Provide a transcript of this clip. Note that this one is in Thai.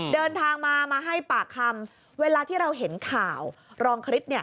เดินทางมามาให้ปากคำเวลาที่เราเห็นข่าวรองคริส